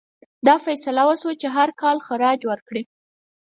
دا فیصله وشوه چې هر کال خراج ورکړي.